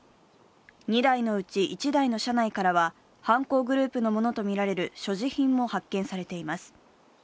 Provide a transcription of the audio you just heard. ２台のうち１台の車内からは、犯行グループのものとみられる所持品も発見されています。